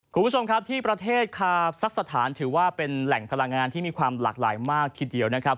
คุณผู้ชมครับที่ประเทศคาซักสถานถือว่าเป็นแหล่งพลังงานที่มีความหลากหลายมากทีเดียวนะครับ